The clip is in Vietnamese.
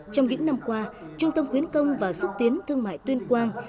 trong những năm qua trung tâm khuyến công và xúc tiến thương mại tuyên quang